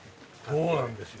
そうなんですよ。